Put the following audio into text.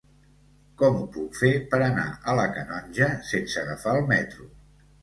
Com ho puc fer per anar a la Canonja sense agafar el metro?